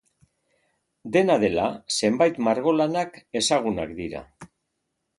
Dena dela, zenbait margolanak ezagunak dira.